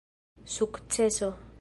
sukceso